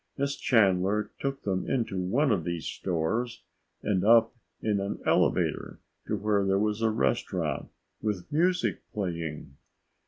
Miss Chandler took them into one of these stores and up in an elevator to where there was a restaurant with music playing.